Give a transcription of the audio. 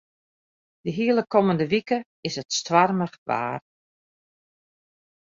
De hiele kommende wike is it stoarmich waar.